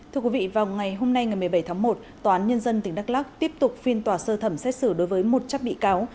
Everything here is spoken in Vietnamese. thưa quý vị vào ngày hôm nay ngày một mươi bảy tháng một tòa án nhân dân tỉnh đắk lắc tiếp tục phiên tòa sơ thẩm xét xử đối với một chắc bị cáo